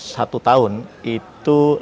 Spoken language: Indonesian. satu tahun itu